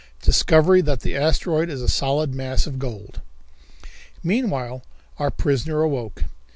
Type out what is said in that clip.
Discovery That the Asteroid is a Solid Mass of Gold. Meanwhile our prisoner awoke.